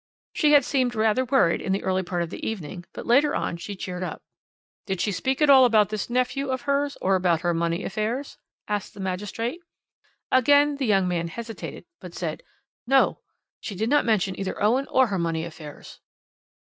"She had seemed rather worried in the early part of the evening, but later on she cheered up. "'Did she speak at all about this nephew of hers or about her money affairs? asked the magistrate. "Again the young man hesitated, but said, 'No! she did not mention either Owen or her money affairs.'